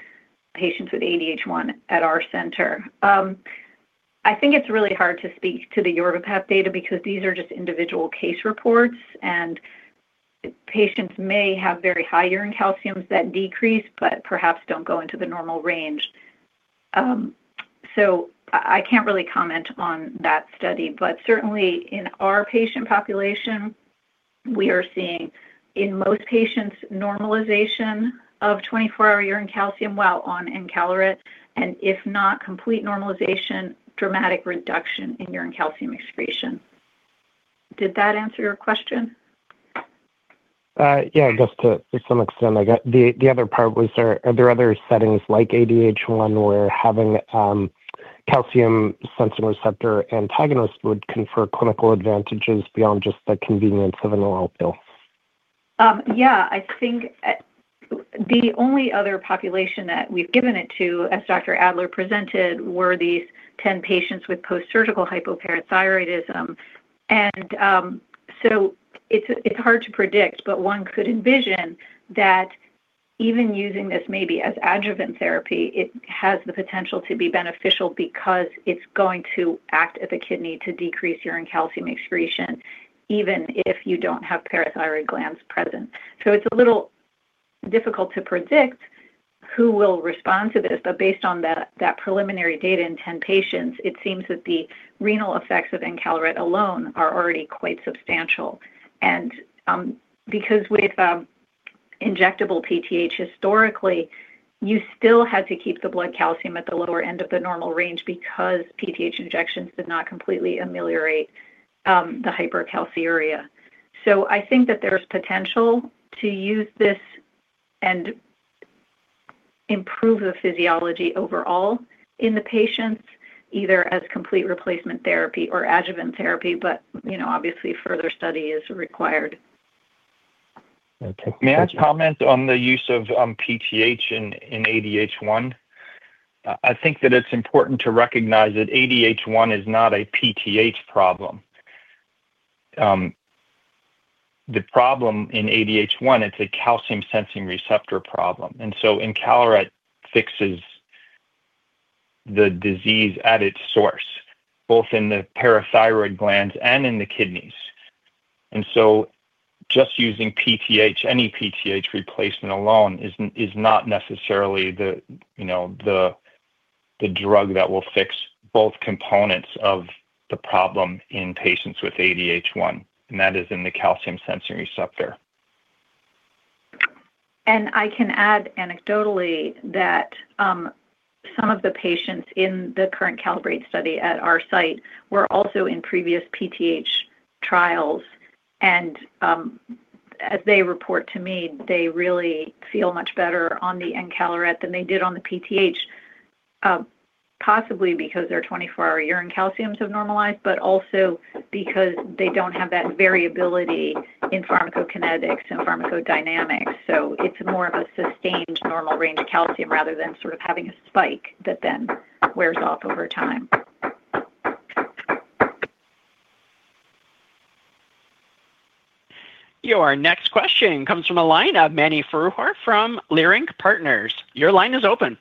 patients with ADH1 at our center. I think it's really hard to speak to the Yorvapath data because these are just individual case reports, and patients may have very high urine calciums that decrease, but perhaps don't go into the normal range. I can't really comment on that study, but certainly in our patient population, we are seeing in most patients normalization of 24-hour urine calcium while on Incalerit, and if not complete normalization, dramatic reduction in urine calcium excretion. Did that answer your question? To some extent, I got the other part was, are there other settings like ADH1 where having calcium-sensing receptor antagonists would confer clinical advantages beyond just the convenience of an oral pill? I think the only other population that we've given it to, as Dr. Adler presented, were these 10 patients with postsurgical hypoparathyroidism. It's hard to predict, but one could envision that even using this maybe as adjuvant therapy, it has the potential to be beneficial because it's going to act at the kidney to decrease urine calcium excretion, even if you don't have parathyroid glands present. It's a little difficult to predict who will respond to this, but based on that preliminary data in 10 patients, it seems that the renal effects of Incalerit alone are already quite substantial. Because with injectable PTH historically, you still had to keep the blood calcium at the lower end of the normal range because PTH injections did not completely ameliorate the hypercalciuria. I think that there's potential to use this and improve the physiology overall in the patients, either as complete replacement therapy or adjuvant therapy, but obviously, further study is required. May I comment on the use of PTH in ADH1? I think that it's important to recognize that ADH1 is not a PTH problem. The problem in ADH1, it's a calcium-sensing receptor problem. Incalerit fixes the disease at its source, both in the parathyroid glands and in the kidneys. Just using PTH, any PTH replacement alone is not necessarily the drug that will fix both components of the problem in patients with ADH1, and that is in the calcium-sensing receptor. I can add anecdotally that some of the patients in the current Calibrate study at our site were also in previous PTH trials, and as they report to me, they really feel much better on the Incalerit than they did on the PTH, possibly because their 24-hour urine calcium have normalized, but also because they don't have that variability in pharmacokinetics and pharmacodynamics. It's more of a sustained normal range of calcium rather than sort of having a spike that then wears off over time. Our next question comes from a line of Emmanuel Walter from Leerink Partners. Your line is open.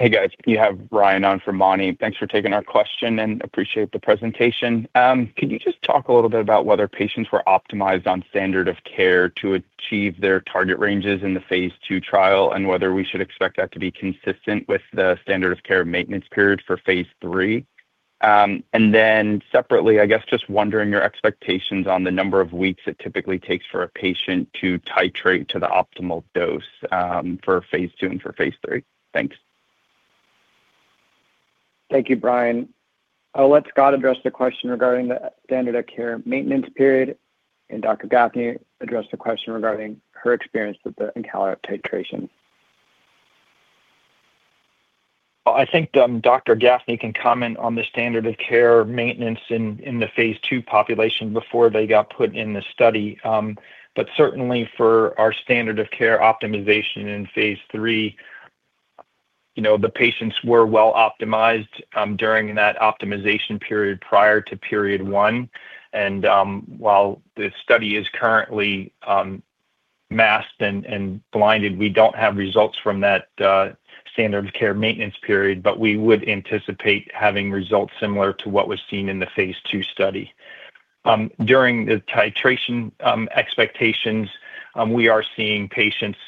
Hey, guys. You have Ryan on from Moni. Thanks for taking our question and appreciate the presentation. Could you just talk a little bit about whether patients were optimized on standard of care to achieve their target ranges in the Phase II trial, and whether we should expect that to be consistent with the standard of care maintenance period for Phase III? Separately, I guess just wondering your expectations on the number of weeks it typically takes for a patient to titrate to the optimal dose for Phase II and for Phase III. Thanks. Thank you, Brian. I'll let Scott address the question regarding the standard of care maintenance period, and Dr. Gaffney address the question regarding her experience with the Incalerit titration. I think Dr. Gaffney can comment on the standard of care maintenance in the Phase II population before they got put in the study. Certainly, for our standard of care optimization in Phase III, the patients were well optimized during that optimization period prior to period one. While the study is currently masked and blinded, we don't have results from that standard of care maintenance period, but we would anticipate having results similar to what was seen in the Phase II study. During the titration expectations, we are seeing patients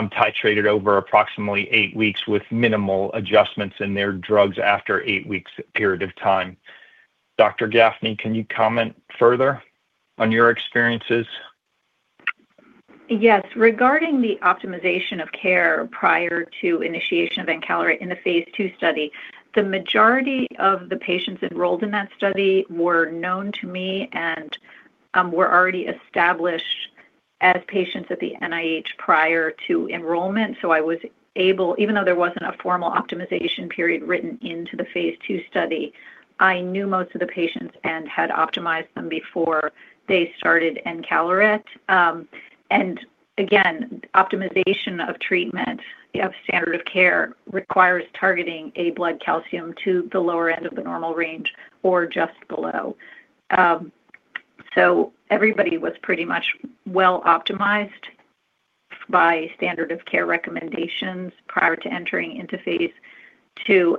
titrated over approximately eight weeks with minimal adjustments in their drugs after an eight-week period of time. Dr. Gaffney, can you comment further on your experiences? Yes. Regarding the optimization of care prior to initiation of Incalerit in the Phase II study, the majority of the patients enrolled in that study were known to me and were already established as patients at the NIH prior to enrollment. I was able, even though there wasn't a formal optimization period written into the Phase II study, I knew most of the patients and had optimized them before they started Incalerit. Again, optimization of treatment of standard of care requires targeting a blood calcium to the lower end of the normal range or just below. Everybody was pretty much well optimized by standard of care recommendations prior to entering into Phase II.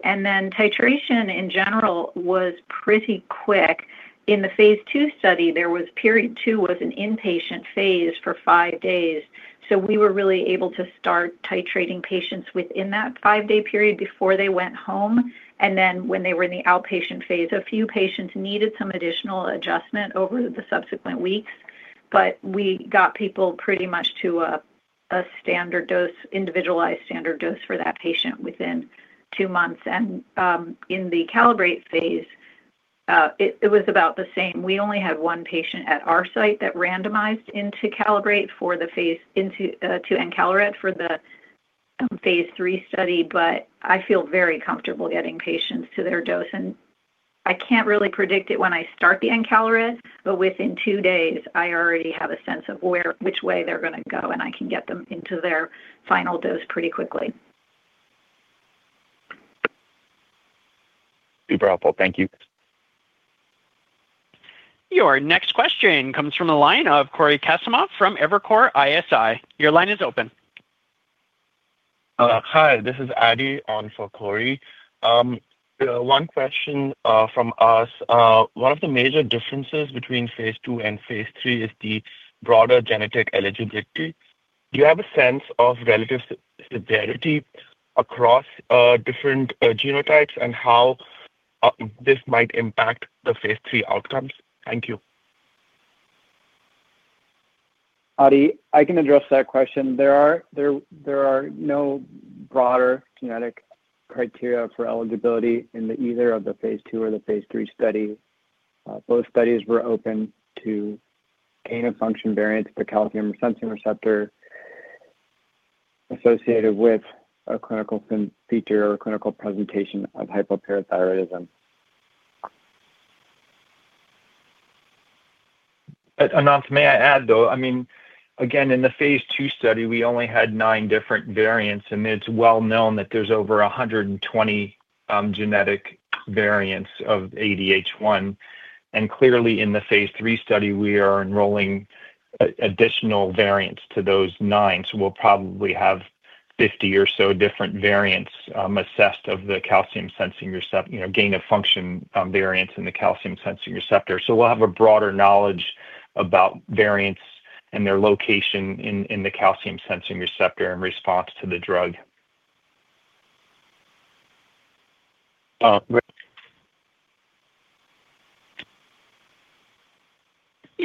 Titration in general was pretty quick. In the Phase II study, period two was an inpatient phase for five days. We were really able to start titrating patients within that five-day period before they went home. When they were in the outpatient phase, a few patients needed some additional adjustment over the subsequent weeks, but we got people pretty much to a standard dose, individualized standard dose for that patient within two months. In the Calibrate phase, it was about the same. We only had one patient at our site that randomized into Calibrate for the phase, into Incalerit for the Phase III study, but I feel very comfortable getting patients to their dose. I can't really predict it when I start the Incalerit, but within two days, I already have a sense of which way they're going to go, and I can get them into their final dose pretty quickly. Super helpful. Thank you. Our next question comes from a line of Corey Kasimov from Evercore ISI. Your line is open. Hi, this is Adi on for Corey. One question from us. One of the major differences between Phase II and Phase III is the broader genetic eligibility. Do you have a sense of relative severity across different genotypes and how this might impact the Phase III outcomes? Thank you. Adi, I can address that question. There are no broader genetic criteria for eligibility in either of the Phase II or the Phase III study. Both studies were open to gain-of-function variants of the calcium-sensing receptor associated with a clinical feature or a clinical presentation of hypoparathyroidism. Ananth, may I add, though? In the Phase II study, we only had nine different variants, and it's well known that there's over 120 genetic variants of ADH1. Clearly, in the Phase III study, we are enrolling additional variants to those nine. We'll probably have 50 or so different variants assessed of the calcium-sensing receptor, gain-of-function variants in the calcium-sensing receptor. We'll have a broader knowledge about variants and their location in the calcium-sensing receptor in response to the drug.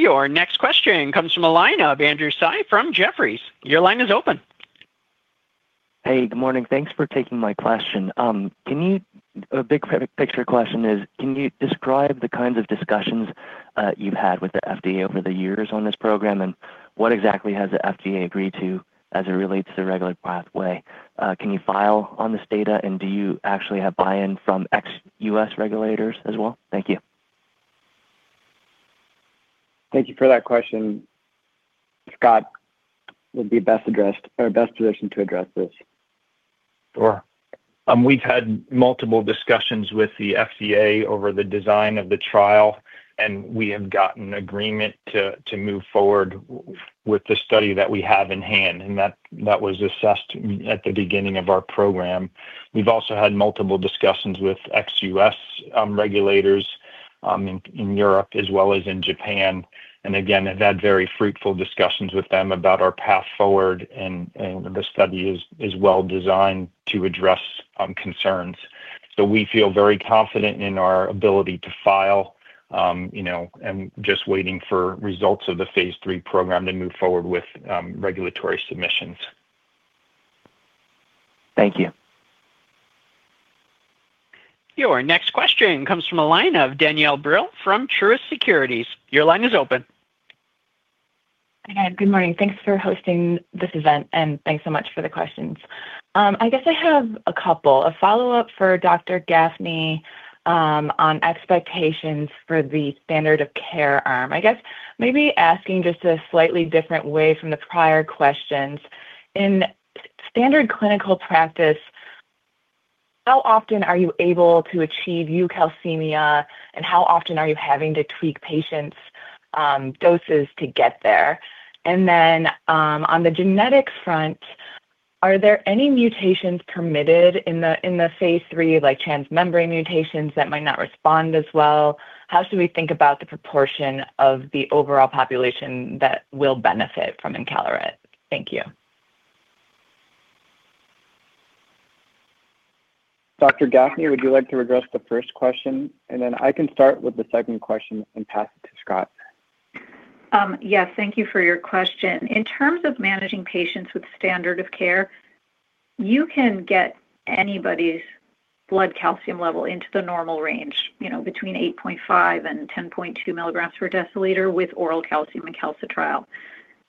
Our next question comes from the line of Andrew Sy from Jefferies. Your line is open. Good morning. Thanks for taking my question. A big picture question is, can you describe the kinds of discussions you've had with the FDA over the years on this program, and what exactly has the FDA agreed to as it relates to the regular pathway? Can you file on this data, and do you actually have buy-in from ex-US regulators as well? Thank you. Thank you for that question. Scott would be best positioned to address this. Sure. We've had multiple discussions with the FDA over the design of the trial, and we have gotten agreement to move forward with the study that we have in hand, and that was assessed at the beginning of our program. We've also had multiple discussions with ex-U.S. regulators in Europe as well as in Japan. I've had very fruitful discussions with them about our path forward, and the study is well designed to address concerns. We feel very confident in our ability to file, you know, and just waiting for results of the Phase III program to move forward with regulatory submissions. Thank you. Our next question comes from a line of Danielle Brill from Chardan Securities. Your line is open. Hi, good morning. Thanks for hosting this event, and thanks so much for the questions. I guess I have a couple. A follow-up for Dr. Gaffney on expectations for the standard of care arm. I guess maybe asking just a slightly different way from the prior questions. In standard clinical practice, how often are you able to achieve eucalcemia, and how often are you having to tweak patients' doses to get there? On the genetic front, are there any mutations permitted in the Phase III, like transmembrane mutations that might not respond as well? How should we think about the proportion of the overall population that will benefit from Incalerit? Thank you. Dr. Gaffney, would you like to address the first question? I can start with the second question and pass it to Scott. Yes, thank you for your question. In terms of managing patients with standard of care, you can get anybody's blood calcium level into the normal range, you know, between 8.5 and 10.2 milligrams per deciliter with oral calcium and calcitriol.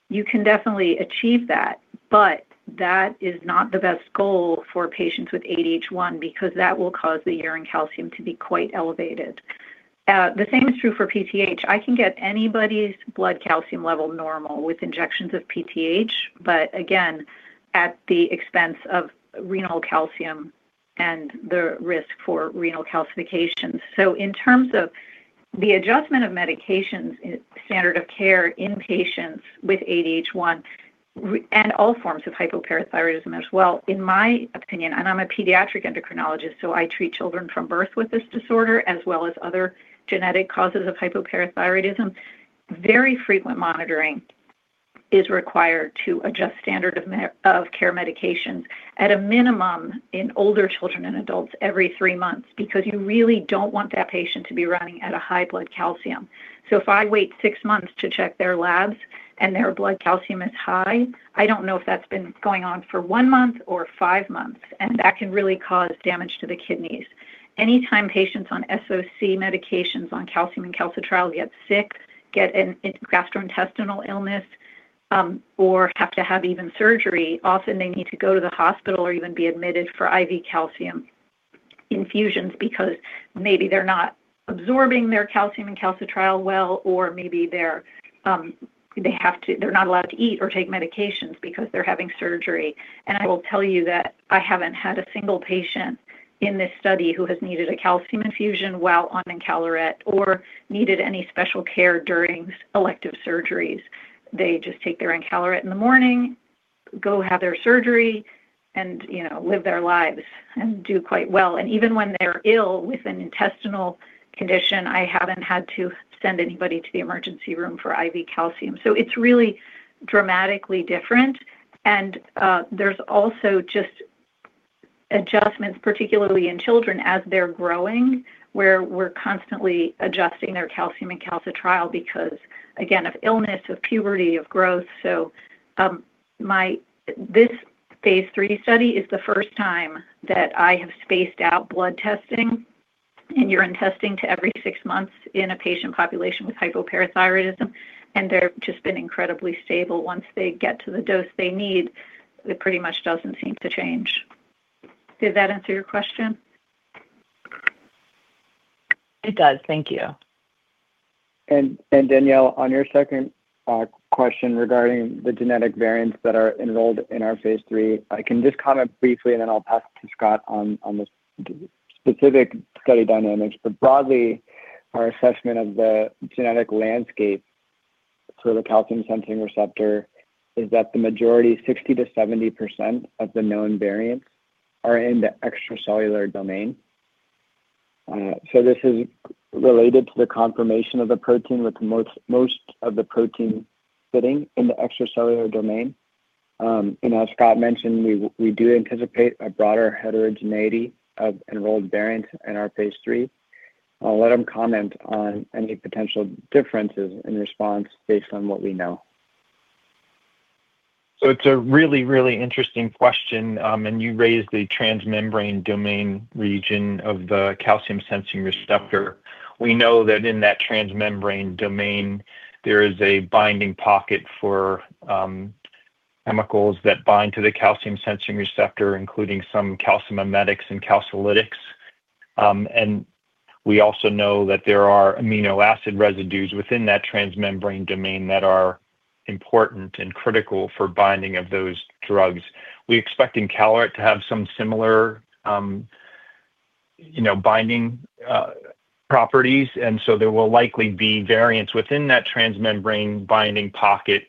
You can definitely achieve that, but that is not the best goal for patients with ADH1 because that will cause the urine calcium to be quite elevated. The same is true for PTH. I can get anybody's blood calcium level normal with injections of PTH, but again, at the expense of renal calcium and the risk for renal calcifications. In terms of the adjustment of medications, standard of care in patients with ADH1 and all forms of hypoparathyroidism as well, in my opinion, and I'm a pediatric endocrinologist, so I treat children from birth with this disorder as well as other genetic causes of hypoparathyroidism. Very frequent monitoring is required to adjust standard of care medications at a minimum in older children and adults every three months because you really don't want that patient to be running at a high blood calcium. If I wait six months to check their labs and their blood calcium is high, I don't know if that's been going on for one month or five months, and that can really cause damage to the kidneys. Anytime patients on standard of care medications on calcium and calcitriol get sick, get a gastrointestinal illness, or have to have even surgery, often they need to go to the hospital or even be admitted for IV calcium infusions because maybe they're not absorbing their calcium and calcitriol well, or maybe they're not allowed to eat or take medications because they're having surgery. I will tell you that I haven't had a single patient in this study who has needed a calcium infusion while on Incalerit or needed any special care during elective surgeries. They just take their Incalerit in the morning, go have their surgery, and, you know, live their lives and do quite well. Even when they're ill with an intestinal condition, I haven't had to send anybody to the emergency room for IV calcium. It's really dramatically different. There's also just adjustments, particularly in children as they're growing, where we're constantly adjusting their calcium and calcitriol because, again, of illness, of puberty, of growth. This Phase III study is the first time that I have spaced out blood testing and urine testing to every six months in a patient population with hypoparathyroidism, and they've just been incredibly stable. Once they get to the dose they need, it pretty much doesn't seem to change. Did that answer your question? It does. Thank you. Danielle, on your second question regarding the genetic variants that are enrolled in our Phase III, I can just comment briefly, and then I'll pass it to Scott on the specific study dynamics. Broadly, our assessment of the genetic landscape for the calcium-sensing receptor is that the majority, 60% to 70% of the known variants, are in the extracellular domain. This is related to the conformation of the protein with most of the protein sitting in the extracellular domain. As Scott mentioned, we do anticipate a broader heterogeneity of enrolled variants in our Phase III. I'll let him comment on any potential differences in response based on what we know. It's a really, really interesting question, and you raised the transmembrane domain region of the calcium-sensing receptor. We know that in that transmembrane domain, there is a binding pocket for chemicals that bind to the calcium-sensing receptor, including some calcimimetics and calcilytics. We also know that there are amino acid residues within that transmembrane domain that are important and critical for binding of those drugs. We expect Incalerit to have some similar binding properties, and there will likely be variants within that transmembrane binding pocket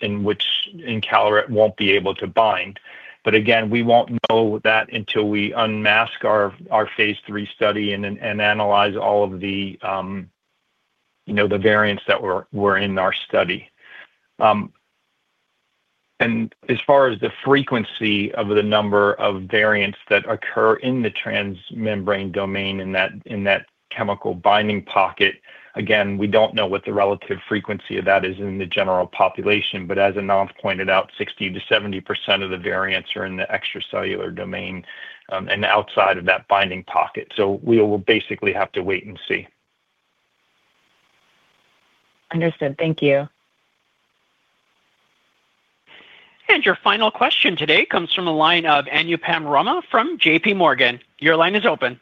in which Incalerit won't be able to bind. Again, we won't know that until we unmask our Phase III study and analyze all of the variants that were in our study. As far as the frequency of the number of variants that occur in the transmembrane domain in that chemical binding pocket, we don't know what the relative frequency of that is in the general population. As Ananth pointed out, 60% to 70% of the variants are in the extracellular domain and outside of that binding pocket. We will basically have to wait and see. Understood. Thank you. Your final question today comes from the line of Anupam Rama from JP Morgan. Your line is open.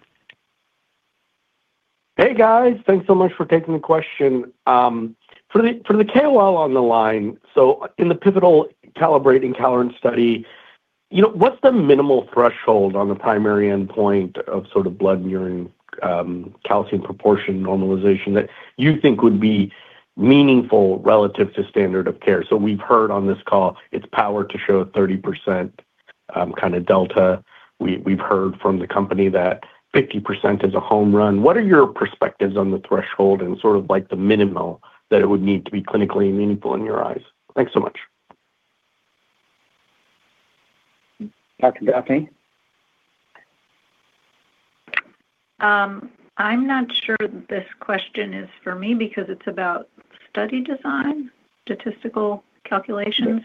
Hey, guys. Thanks so much for taking the question. For the KOL on the line, in the pivotal Calibrate Incalerit study, what's the minimal threshold on the primary endpoint of sort of blood and urine calcium proportion normalization that you think would be meaningful relative to standard of care? We've heard on this call it's powered to show 30% kind of delta. We've heard from the company that 50% is a home run. What are your perspectives on the threshold and the minimal that it would need to be clinically meaningful in your eyes? Thanks so much. Dr. Gaffney? I'm not sure this question is for me because it's about study design, statistical calculations.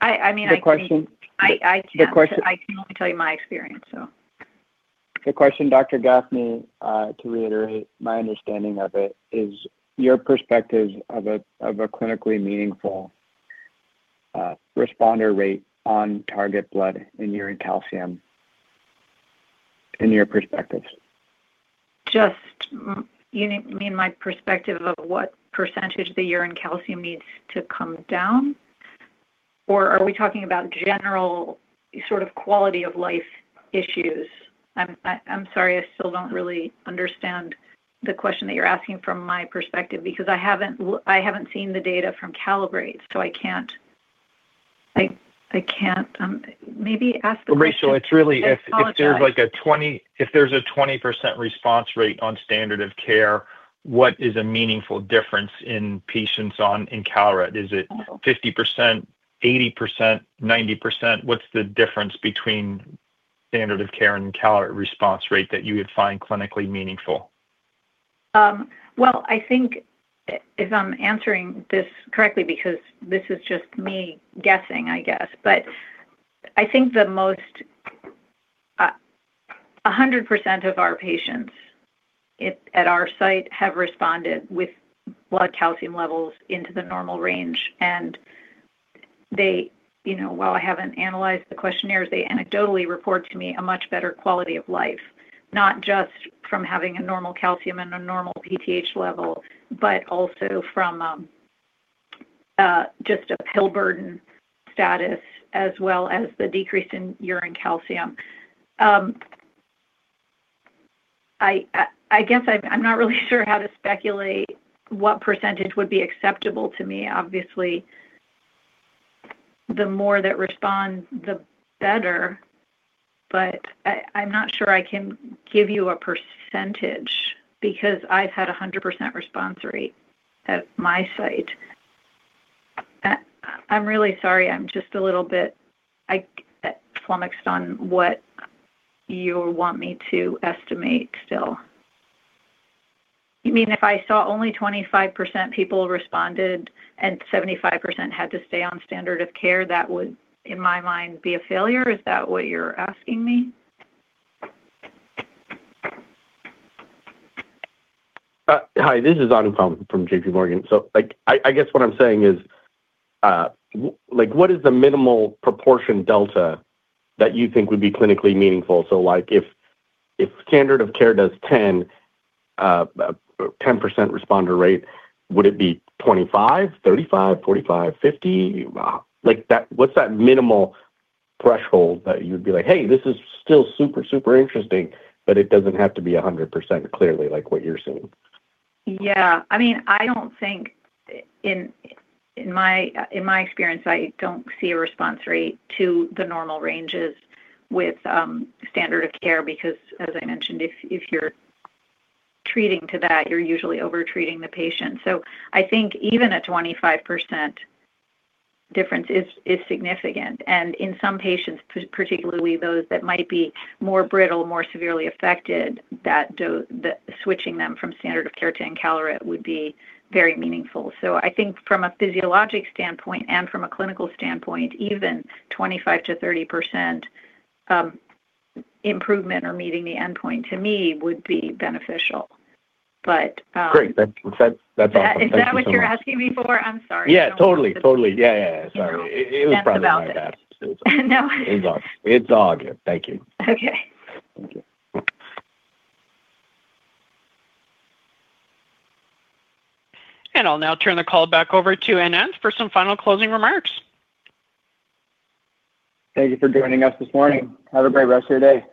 The question? I can only tell you my experience. The question, Dr. Gaffney, to reiterate my understanding of it, is your perspective of a clinically meaningful responder rate on target blood and urine calcium in your perspectives? Do you mean my perspective of what percentage of the urinary calcium needs to come down, or are we talking about general sort of quality of life issues? I'm sorry, I still don't really understand the question that you're asking from my perspective because I haven't seen the data from Calibrate, so I can't. Maybe ask the. Rachel, if there's like a 20% response rate on standard of care, what is a meaningful difference in patients on Incalerit? Is it 50%, 80%, 90%? What's the difference between standard of care and Incalerit response rate that you would find clinically meaningful? I think if I'm answering this correctly because this is just me guessing, I think 100% of our patients at our site have responded with blood calcium levels into the normal range. They, you know, while I haven't analyzed the questionnaires, anecdotally report to me a much better quality of life, not just from having a normal calcium and a normal PTH level, but also from just a pill burden status as well as the decrease in urine calcium. I'm not really sure how to speculate what percentage would be acceptable to me. Obviously, the more that respond, the better, but I'm not sure I can give you a percentage because I've had a 100% response rate at my site. I'm really sorry. I'm just a little bit flummoxed on what you want me to estimate still. You mean if I saw only 25% people responded and 75% had to stay on standard of care, that would, in my mind, be a failure? Is that what you're asking me? Hi, this is Anupam from JP Morgan. What is the minimal proportion delta that you think would be clinically meaningful? If standard of care does 10% responder rate, would it be 25%, 35%, 45%, 50%? What is that minimal threshold that you would be like, "Hey, this is still super, super interesting, but it doesn't have to be 100% clearly like what you're seeing"? Yeah. I mean, I don't think in my experience, I don't see a response rate to the normal ranges with standard of care because, as I mentioned, if you're treating to that, you're usually overtreating the patient. I think even a 25% difference is significant. In some patients, particularly those that might be more brittle, more severely affected, switching them from standard of care to Incalerit would be very meaningful. I think from a physiologic standpoint and from a clinical standpoint, even 25 to 30% improvement or meeting the endpoint to me would be beneficial. Great. That's awesome. Is that what you're asking me for? I'm sorry. Yeah, totally. Sorry. It was probably my bad. No, it's okay. Thank you. Okay. I'll now turn the call back over to Ananth for some final closing remarks. Thank you for joining us this morning. Have a great rest of your day.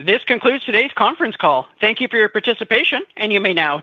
This concludes today's conference call. Thank you for your participation, and you may now disconnect.